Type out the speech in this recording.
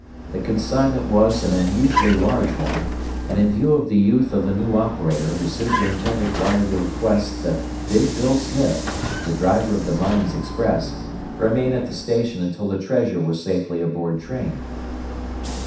The consignment was an unusually large one, and in view of the youth of the new operator the superintendent wired a request that Big Bill Smith, the driver of the mines express, remain at the station until the treasure was safely aboard train.